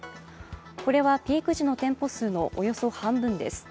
これはピーク時の店舗数のおよそ半分です。